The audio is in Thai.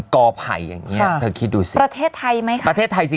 กอไผ่อย่างนี้เธอคิดดูสิประเทศไทยไหมคะประเทศไทยสิ